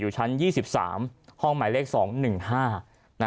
อยู่ชั้นยี่สิบสามห้องหมายเลขสองหนึ่งห้านะ